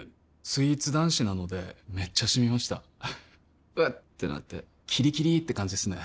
スイーツ男子なのでめっちゃシミました「うっ」ってなってキリキリって感じですね